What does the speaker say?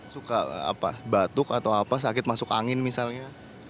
suka batuk atau apa sakit masuk angin misalnya